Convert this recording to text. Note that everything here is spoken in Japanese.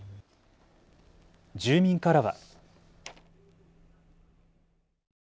住民からは。